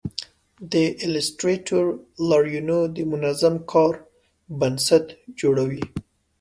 د ایلیسټریټر لایرونه د منظم کار بنسټ جوړوي.